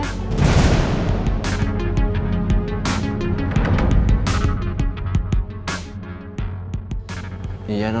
pangeran bakal jauhin si cewek asongan